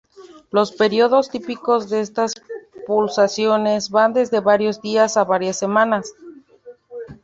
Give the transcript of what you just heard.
Los períodos típicos de estas pulsaciones van desde varios días a varias semanas.